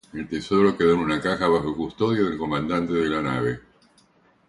El tesoro quedó en una caja bajo la custodia del comandante de la nave.